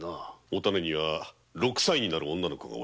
お種には六歳になる女の子が。